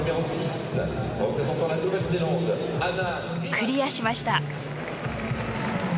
クリアしました。